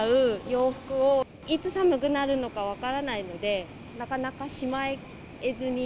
洋服を、いつ寒くなるのか分からないので、なかなかしまえずに。